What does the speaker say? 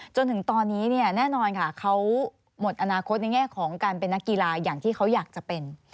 จนถึงตอนนี้เนี่ยแน่นอนค่ะเขาหมดอนาคตในแง่ของการเป็นนักกีฬาอย่างที่เขาอยากจะเป็น